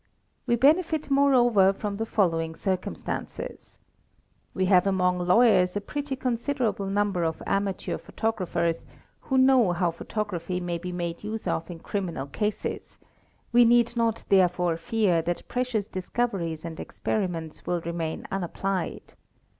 We benefit moreover from the following circumstances. We have among lawyers a pretty considerable number of amateur photo graphers, who know how photography may be made use of in criminal — cases; we need not therefore fear that precious discoveries and experi — ments will remain unapplied.